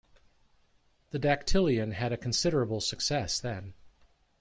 The dactylion had a considerable success then.